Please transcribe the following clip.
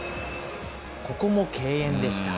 ここも敬遠でした。